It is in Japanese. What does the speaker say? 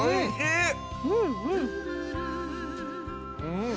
うん。